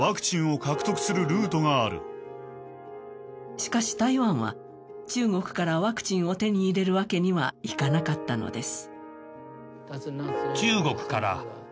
しかし台湾は中国からワクチンを手に入れるわけにはいかなかったのです。